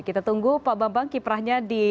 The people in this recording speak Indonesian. kita sulung berikan nilai